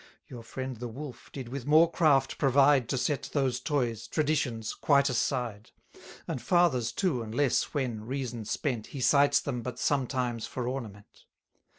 Your friend the Wolf did with more craft provide To set those toys, Traditions, quite aside; And Fathers too, unless when, reason spent, He cites them but sometimes for ornament.